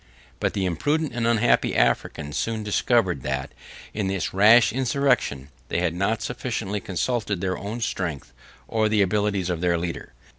But the imprudent and unhappy Africans soon discovered, that, in this rash insurrection, they had not sufficiently consulted their own strength, or the abilities of their leader.